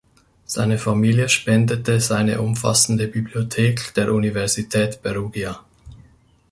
Seine Familie spendete seine umfassende Bibliothek der Universität Perugia.